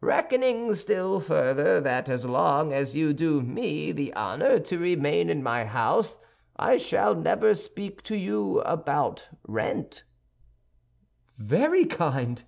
"Reckoning still further, that as long as you do me the honor to remain in my house I shall never speak to you about rent—" "Very kind!"